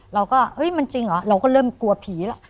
เราก็เฮ้ยมันจริงเหรอเราก็เริ่มกลัวผีแล้ว